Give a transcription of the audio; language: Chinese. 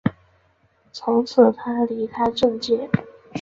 此后他离开政界。